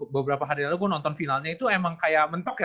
beberapa hari lalu gue nonton finalnya itu emang kayak mentok ya